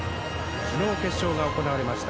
昨日決勝が行われました。